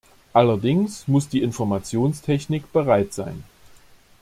Allerdings muss die Informationstechnik bereit sein.